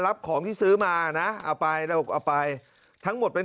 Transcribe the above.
รับของที่ซื้อมานะเอาไปเราเอาไปทั้งหมดเป็น